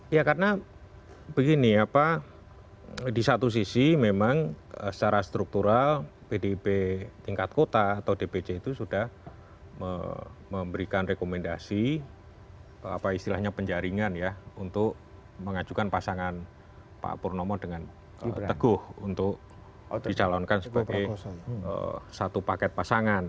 ya karena begini ya pak di satu sisi memang secara struktural pdb tingkat kota atau dpj itu sudah memberikan rekomendasi apa istilahnya penjaringan ya untuk mengajukan pasangan pak purnomo dengan teguh untuk dicalonkan sebagai satu paket pasangan